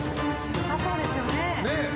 よさそうですよね。